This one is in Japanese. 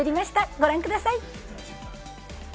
ご覧ください。